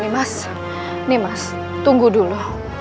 nih mas nih mas tunggu dulu